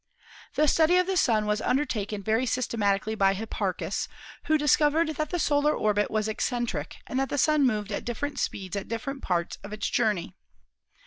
The study of the Sun was undertaken very systemati cally by Hipparchus, who discovered that the solar orbit was eccentric and that the Sun moved at different speeds at different parts of its journey.